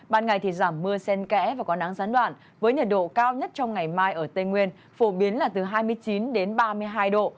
ban ngày thì giảm mưa sen kẽ và có nắng gián đoạn với nhiệt độ cao nhất trong ngày mai ở tây nguyên phổ biến là từ hai mươi chín đến ba mươi hai độ